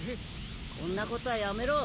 こんなことはやめろ！